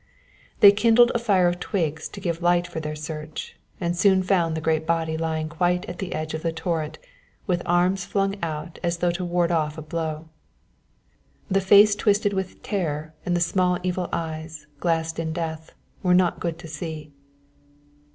They kindled a fire of twigs to give light for their search, and soon found the great body lying quite at the edge of the torrent, with arms flung out as though to ward off a blow. The face twisted with terror and the small evil eyes, glassed in death, were not good to see.